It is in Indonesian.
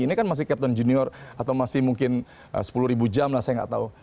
ini kan masih captain junior atau masih mungkin sepuluh ribu jam lah saya nggak tahu